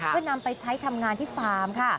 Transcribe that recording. เพื่อนำไปใช้ทำงานที่ฟาร์มค่ะ